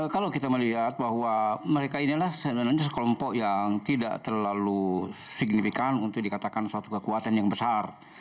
kalau kita melihat bahwa mereka inilah sebenarnya sekelompok yang tidak terlalu signifikan untuk dikatakan suatu kekuatan yang besar